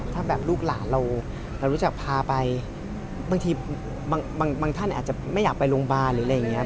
ถ้าลูกหลานเรารู้จักพาไปบางท่านอาจจะไม่อยากไปโรงพยาบาล